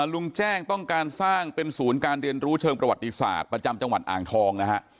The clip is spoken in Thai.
ลุงแจ้งต้องการสร้างเป็นศูนย์การเรียนรู้เชิงประวัติศาสตร์ประจำจังหวัดอ่างทองนะฮะ